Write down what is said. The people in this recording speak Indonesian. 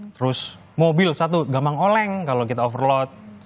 terus mobil satu gamang oleng kalau kita overload